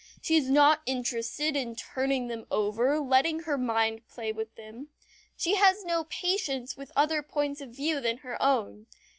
She is not interested in turning them over, letting her mind play with them. She has no patience with other points of view than her own.